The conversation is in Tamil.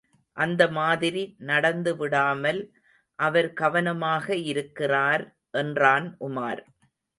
அந்த மாதிரி நடந்து விடாமல் அவர் கவனமாக இருக்கிறார் என்றான் உமார்.